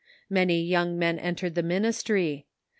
Many young men entered the. minis try.